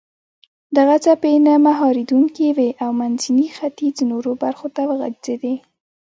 دغه څپې نه مهارېدونکې وې او منځني ختیځ نورو برخو ته وغځېدې.